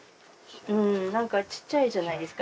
何かちっちゃいじゃないですか。